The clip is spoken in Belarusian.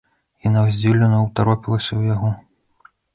Яна здзіўлена ўтаропілася ў яго.